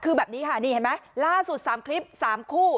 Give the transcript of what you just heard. คือแบบนี้ใช่ไหมล่าสุด๓คลิปสามคู่